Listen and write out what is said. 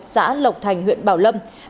xã lộc thành huyện bảo lâm